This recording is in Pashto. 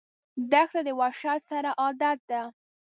دښته د وحشت سره عادت ده.